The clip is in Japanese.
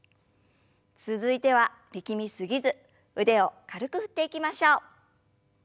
続いては力み過ぎず腕を軽く振っていきましょう。